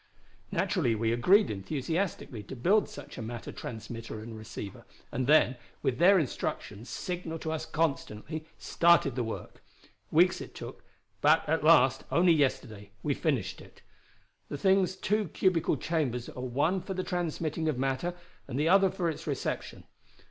"Naturally we agreed enthusiastically to build such a matter transmitter and receiver, and then, with their instructions signalled to us constantly, started the work. Weeks it took, but at last, only yesterday, we finished it. The thing's two cubical chambers are one for the transmitting of matter and the other for its reception.